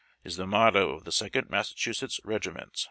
^' IS THE MOTTO OF THE SECOND MASSACHUSETTS REGIMENT.